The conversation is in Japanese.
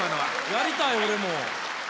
やりたい俺も。